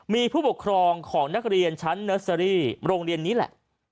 มีผู้ปกครองของนักเรียนชั้นเนอร์เซอรี่โรงเรียนนี้แหละ